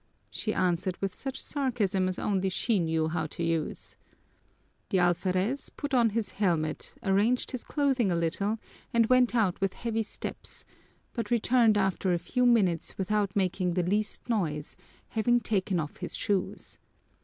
she answered with such sarcasm as only she knew how to use. The alferez put on his helmet, arranged his clothing a little, and went out with heavy steps, but returned after a few minutes without making the least noise, having taken off his shoes.